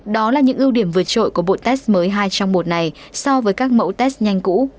đó là những ưu điểm vượt trội của bộ test mới hai trong một này so với các mẫu test nhanh cũ